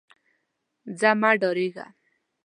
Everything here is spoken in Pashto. ځه مه ډارېږه.